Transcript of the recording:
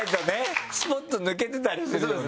スポっと抜けてたりするよね。